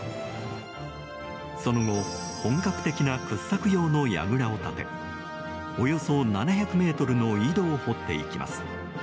その後、本格的な掘削用のやぐらを建ておよそ７００ｍの井戸を掘っていきます。